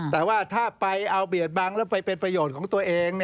แต่ว่าถ้าไปเอาเบียดบังแล้วไปเป็นประโยชน์ของตัวเอง